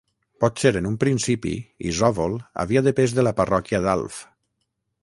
Potser en un principi Isòvol havia depès de la parròquia d'Alf.